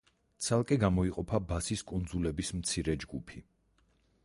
ცალკე გამოიყოფა ბასის კუნძულების მცირე ჯგუფი.